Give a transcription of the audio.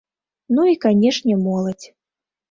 Ну і, канешне, моладзь.